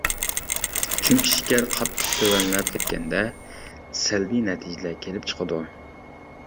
چۈنكى شېكەر قاتتىق تۆۋەنلەپ كەتكەندە سەلبىي نەتىجىلەر كېلىپ چىقىدۇ.